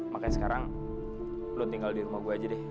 makanya sekarang belum tinggal di rumah gue aja deh